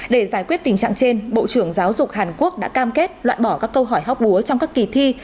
để giải quyết tình trạng trên bộ trưởng giáo dục hàn quốc đã cam kết loại bỏ các câu hỏi hóc búa trong các kỳ thi